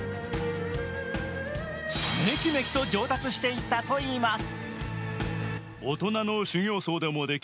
メキメキと上達していったといいます。